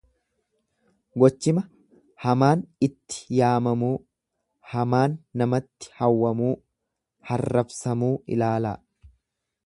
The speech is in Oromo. "Gochima hamaan itti yaamamuu, Hamaan namatti hawwamuu. ""harrabsamuu"" ilaalaa."